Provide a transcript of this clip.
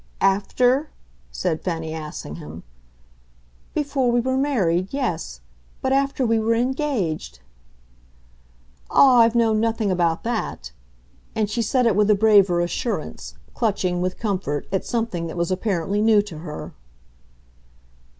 "After?" said Fanny Assingham. "Before we were married yes; but after we were engaged." "Ah, I've known nothing about that!" And she said it with a braver assurance clutching, with comfort, at something that was apparently new to her.